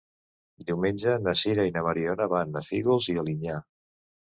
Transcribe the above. Diumenge na Sira i na Mariona van a Fígols i Alinyà.